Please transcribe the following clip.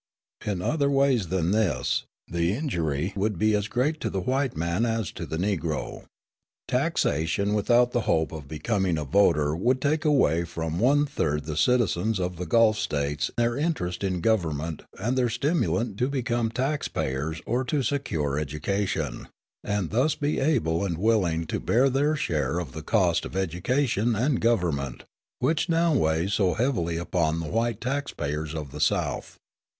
In other ways than this the injury would be as great to the white man as to the Negro. Taxation without the hope of becoming a voter would take away from one third the citizens of the Gulf States their interest in government and their stimulant to become tax payers or to secure education, and thus be able and willing to bear their share of the cost of education and government, which now weighs so heavily upon the white tax payers of the South.